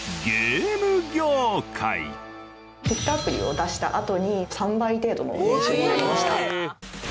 ヒットアプリを出したあとに３倍程度の年収になりました。